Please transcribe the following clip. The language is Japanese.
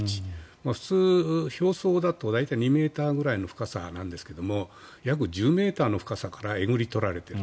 普通、表層だと大体２ｍくらいの深さなんですが約１０ｍの深さからえぐり取られている。